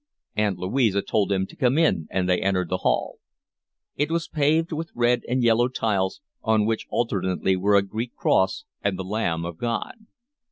Aunt Louisa told him to come in, and they entered the hall. It was paved with red and yellow tiles, on which alternately were a Greek Cross and the Lamb of God.